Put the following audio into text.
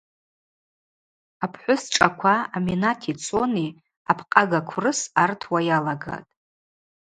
Апхӏвыс шӏаква Аминати Цони абкъага кврыс артуа йалагатӏ.